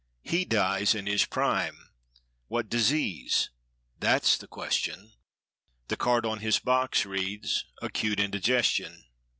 He dies in his prime. What disease? That's the question. The card on his "box" reads—"Acute Indigestion."